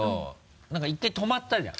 何か１回止まったじゃん。